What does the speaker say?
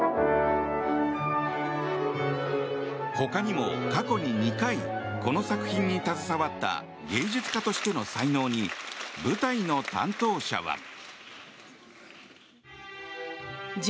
他にも過去に２回この作品に携わった芸術家としての才能に舞台の担当者は。